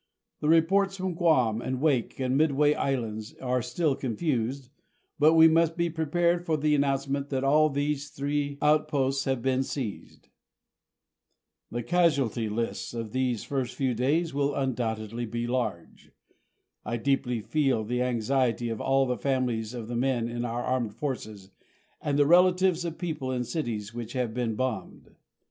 The reports from Guam and Wake and Midway Islands are still confused, but we must be prepared for the announcement that all these three outposts have been seized. The casualty lists of these first few days will undoubtedly be large. I deeply feel the anxiety of all of the families of the men in our armed forces and the relatives of people in cities which have been bombed.